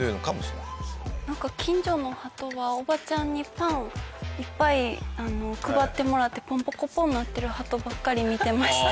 なんか近所の鳩はおばちゃんにパンいっぱい配ってもらってぽんぽこぽんになってる鳩ばっかり見てました。